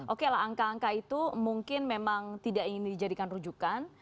oke lah angka angka itu mungkin memang tidak ingin dijadikan rujukan